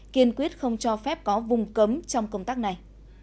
kiên quyết không cho phép có vùng cấm trong công tác này